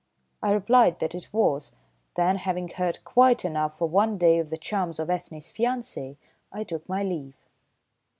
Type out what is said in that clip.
I replied that it was; then, having heard quite enough for one day of the charms of Ethne's fiancé, I took my leave.